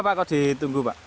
kenapa kau ditunggu pak